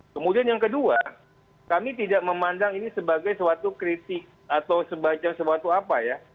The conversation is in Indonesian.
kemudian yang kedua kami tidak memandang ini sebagai suatu kritik atau semacam suatu apa ya